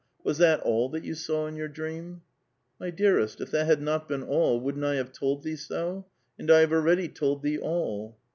Was that all that vou saw in your dream ?'^ My dearest, if that had not been all, wouldn't I have told thee so? And I have already told thee all."